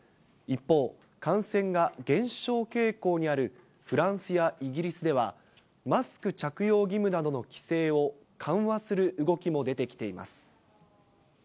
一方、感染が減少傾向にあるフランスやイギリスでは、マスク着用義務などの規制を緩和する動きも出てきています。